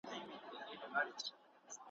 نوم به مي نه وي د زمان پر ژبه `